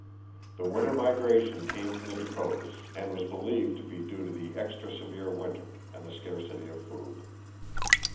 The winter migration came from the Dakotas, and was believed to be due to the extra severe winter, and the scarcity of food.